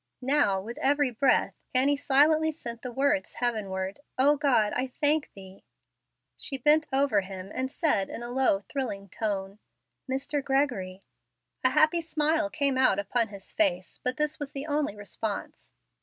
Now with every breath Annie silently sent the words heavenward, "O God, I thank thee." She bent over him, and said, in a low, thrilling tone, "Mr. Gregory." A happy smile came out upon his face, but this was the only response.